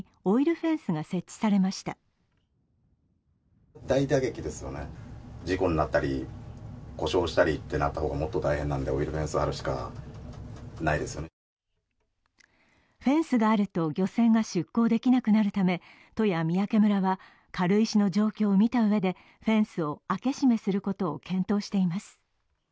フェンスがあると漁船が出港できなくなるため、都や三宅村は軽石の状況を見たうえでフェンスを開け閉めすることを検討しています。